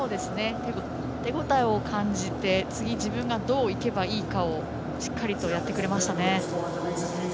手応えを感じて次、自分がどういけばいいかをしっかりとやってくれましたね。